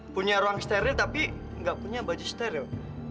punya ruang steril tapi nggak punya baju steril